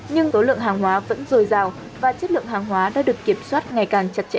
nhưng số lượng hàng hóa vẫn dồi dào và chất lượng hàng hóa đã được kiểm soát ngày càng chặt chẽ